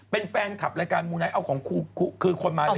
เป็นแฟนคลับรายการมูไนท์เอาของครูคือคนมาเล่น